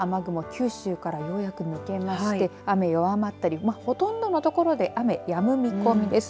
九州からようやく抜けまして雨、弱まったりほとんどの所で雨やむ見込みです。